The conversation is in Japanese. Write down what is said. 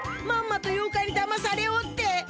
まんまと妖怪にだまされおって！